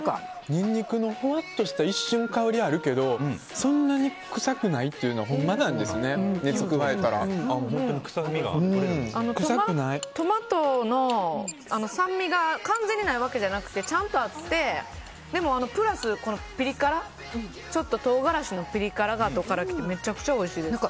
ニンニクのほわっとした一瞬、香りがあるけどそんなにくさくないというのトマトの酸味が完全にないわけじゃなくてちゃんとあってでもプラス、ピリ辛ちょっと唐辛子のピリ辛があとから来てめちゃくちゃおいしいです。